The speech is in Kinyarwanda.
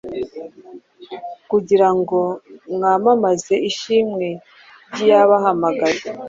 kugira ngo mwamamaze ishimwe ry’iyabahamagaye,